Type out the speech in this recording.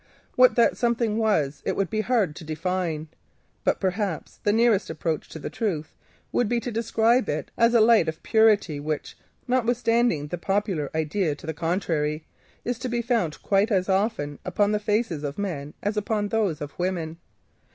What that something was it would be hard to define, but perhaps the nearest approach to the truth would be to describe it as a light of purity which, notwithstanding the popular idea to the contrary, is quite as often to be found upon the faces of men as upon those of women.